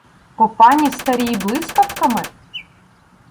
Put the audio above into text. По паністарій блискавками?